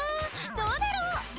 どうだろう？